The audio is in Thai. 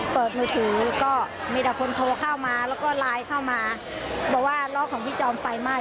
เปิดมือถือก็มีแต่คนโทรเข้ามาแล้วก็ไลน์เข้ามาบอกว่าล้อของพี่จอมไฟไหม้